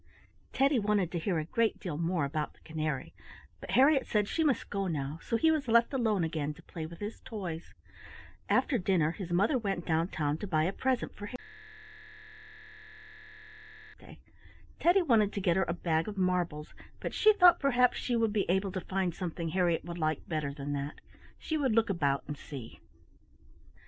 Teddy wanted to hear a great deal more about the canary, but Harriett said she must go now, so he was left alone again to play with his toys. After dinner his mother went down town to buy a present for Harriett, for the next day was to be the little girl's birthday. Teddy wanted to get her a bag of marbles, but she thought perhaps she would be able to find something Harriett would like better than that. She would look about and see.